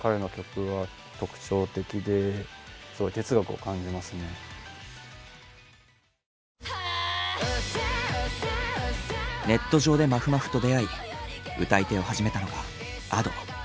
だからネット上でまふまふと出会い歌い手を始めたのがＡｄｏ。